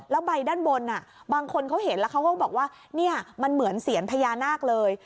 แล้วใบด้านบนบางคนเขาเห็นแล้วเขาก็บอกว่าเนี่ยมันเหมือนเสียญพญานาคเลย